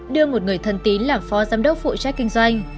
đưa một người thân tín làm phó giám đốc phụ trách kinh doanh